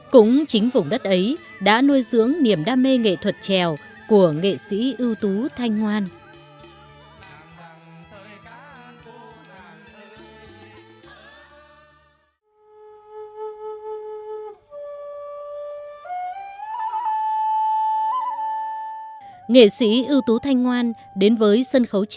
cũng chính vùng đất ấy đã nuôi dưỡng niềm đam mê nghệ thuật trèo của nghệ sĩ ưu tú thanh hoan